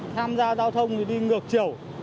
tham gia giao thông thì đi ngược chiều